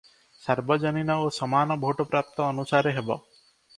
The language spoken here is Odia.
ସାର୍ବଜନୀନ ଓ ସମାନ ଭୋଟପ୍ରାପ୍ତ ଅନୁସାରେ ହେବ ।